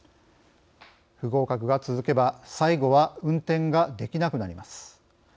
不合格が続けば最後は運転ができなくなります。